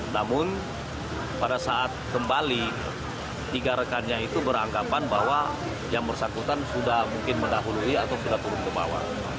namun pada saat kembali tiga rekannya itu beranggapan bahwa yang bersangkutan sudah mungkin mendahului atau sudah turun ke bawah